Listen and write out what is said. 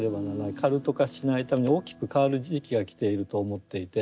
カルト化しないために大きく変わる時期が来ていると思っていて。